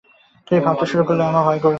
তুই ভাবতে শুরু করলে আমার ভয় করে।